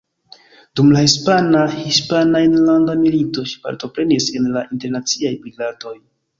Dum la hispana Hispana Enlanda Milito ŝi partoprenis en la Internaciaj Brigadoj.